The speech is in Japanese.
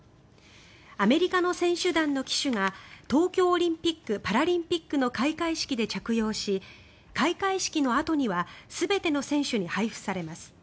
アメリカの選手団の旗手が東京オリンピック・パラリンピックの開会式で着用し開会式のあとには全ての選手に配布されます。